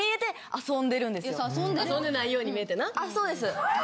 あそうです。